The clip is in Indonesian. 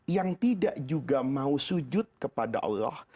yang tidak juga mau sujud kepada allah